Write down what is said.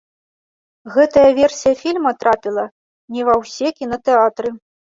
Гэтая версія фільма трапіла не ва ўсе кінатэатры.